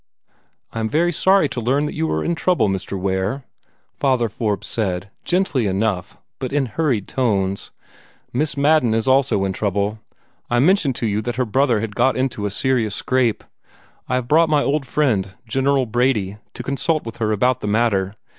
"I am very sorry to learn that you are in trouble, Mr. Ware," Father Forbes said, gently enough, but in hurried tones. "Miss Madden is also in trouble. I mentioned to you that her brother had got into a serious scrape. I have brought my old friend, General Brady, to consult with her about the matter.